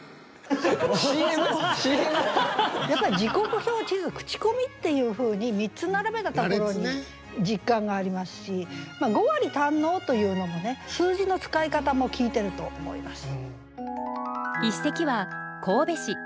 やっぱり「時刻表・地図・口コミ」っていうふうに３つ並べたところに実感がありますし「五割堪能」というのも数字の使い方も効いてると思います。